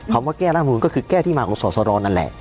คำว่าแก้ร่างรับบรรหุ่นก็คือแก้ที่มาของสอดสอดรอนั่นแหละ